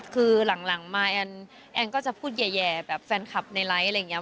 คือหลังมาแอนก็จะพูดแย่แบบแฟนคลับในไลค์อะไรอย่างนี้